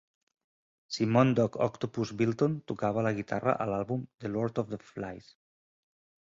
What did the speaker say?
Simon Doc Octopus Milton tocava la guitarra a l'àlbum The Lord Of The Flies.